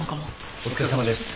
お疲れさまです。